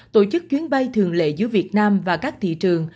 tổ chức chuyến bay thường lệ giữa việt nam và các thị trường